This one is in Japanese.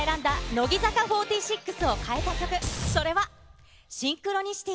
乃木坂４６を変えた曲、それは、シンクロニシティ。